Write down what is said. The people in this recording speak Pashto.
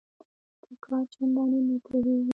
په کار چنداني نه پوهیږي